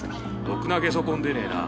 ろくなゲソ痕出ねえな。